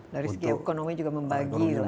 dari segi ekonomi juga membagilah